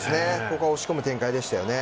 ここは押し込む展開でしたね。